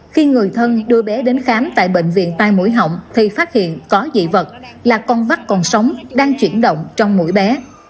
khi người thân đưa bé đến khám tại bệnh viện tai mũi họng thì phát hiện có dị vật là con vắt còn sống đang chuyển động trong mũi bé